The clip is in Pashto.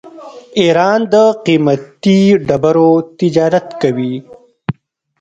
ایران د قیمتي ډبرو تجارت کوي.